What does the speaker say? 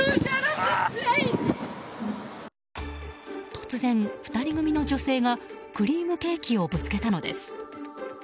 突然、２人組の女性がクリームケーキをぶつけたのです。